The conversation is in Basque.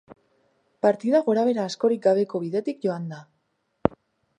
Partida gora-behera askorik gabeko bidetik joan da.